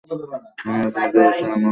আমি আপনাদের হুইসেল মহালক্ষী!